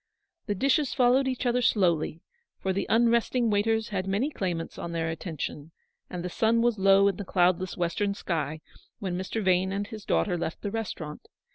The dishes followed each other slowly, for the unresting waiters had many claimants on their attention, and the sun was low in the cloudless western sky when Mr. Vane and his daughter left the restaurant.